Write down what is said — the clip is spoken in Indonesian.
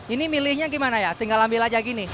ini milihnya gimana ya tinggal ambil aja gini